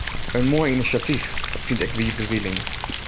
In moai inisjatyf, fynt ek Wiebe Wieling.